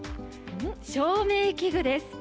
照明器具です。